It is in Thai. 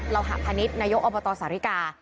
หะพนิษฐ์นายกอบตสาริกา